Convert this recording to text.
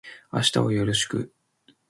明日はよろしく